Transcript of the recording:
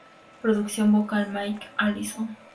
Producción vocal Mike Allison.